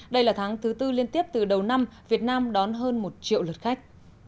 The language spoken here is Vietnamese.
đây là tháng thứ tư liên tiếp từ đầu năm việt nam đón hơn một triệu lượt khách